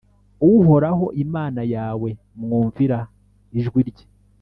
uhoraho imana yawe, mwumvira ijwi rye